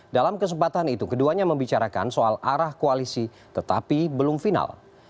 dalam kesempatan itu keduanya membicarakan soal arah koalisi tetapi belum final